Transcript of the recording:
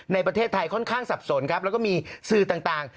ในประเทศไทยค่อนข้างสับสนครับแล้วก็มีสื่อต่าง